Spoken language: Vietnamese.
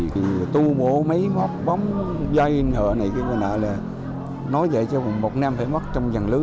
khi tu bố mấy mọc bóng dây nợ này nói dạy cho một năm phải mất trong dàn lứ